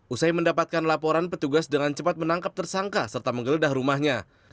usai mendapatkan laporan petugas dengan cepat menangkap tersangka serta menggeledah rumahnya